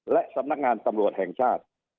และสำนักงานตำรวจแห่งชาติ